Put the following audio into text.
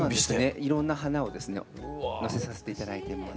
いろんな花を載せさせて頂いてます。